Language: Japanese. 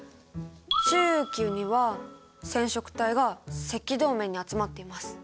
中期には染色体が赤道面に集まっています。